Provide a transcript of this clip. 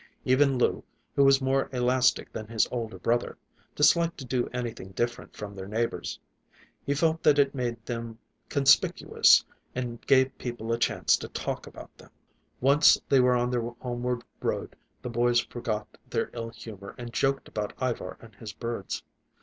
Even Lou, who was more elastic than his older brother, disliked to do anything different from their neighbors. He felt that it made them conspicuous and gave people a chance to talk about them. Once they were on the homeward road, the boys forgot their ill humor and joked about Ivar and his birds.